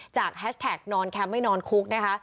แฮชแท็กนอนแคมป์ไม่นอนคุกนะคะ